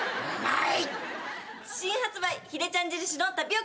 はい。